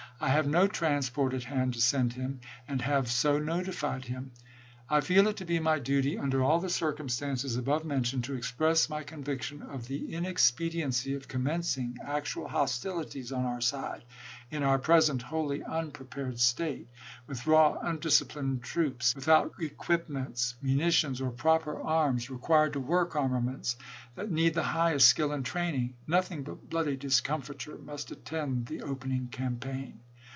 I have no transport at hand to send him, and have so notified him. I feel it to be my duty, under all the circumstances above mentioned, to express my conviction of the inexpe diency of commencing actual hostilities, on our side, in our present wholly unprepared state, with raw, undis ciplined troops, without equipments, munitions, or proper arms required to work armaments that need the highest skill and training; nothing but bloody discomfiture must attend the opening campaign.